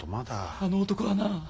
あの男はな